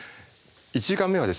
１時間目はですね